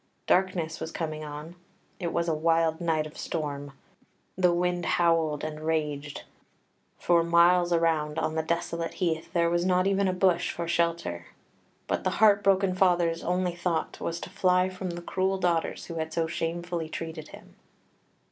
Darkness was coming on; it was a wild night of storm; the wind howled and raged; for miles around on the desolate heath there was not even a bush for shelter. But the heart broken father's only thought was to fly from the cruel daughters who had so shamefully treated him.